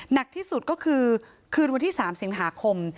หนักที่สุดก็คือคืนวันที่๓สิงหาคม